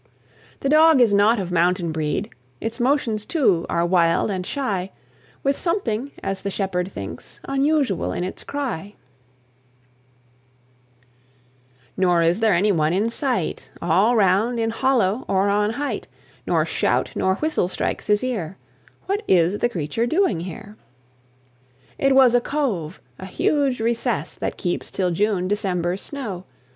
The Dog is not of mountain breed; Its motions, too, are wild and shy; With something, as the Shepherd thinks, Unusual in its cry: Nor is there any one in sight All round, in hollow or on height; Nor shout, nor whistle strikes his ear; What is the Creature doing here? It was a cove, a huge recess, That keeps, till June, December's snow.